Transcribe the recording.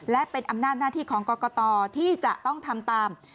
และเป็นอำนาจหน้าที่ของกรกตที่จะต้องทำตาม